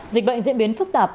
dịch bệnh diễn biến phức tạp